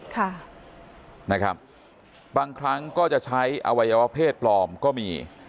ค่ะนะครับบางครั้งก็จะใช้อวัยวะเพศปลอมก็มี